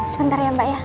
sebentar ya mbak